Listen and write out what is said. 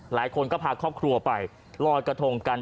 หลายคนก็พาครอบครัวไปลอยกระทงกัน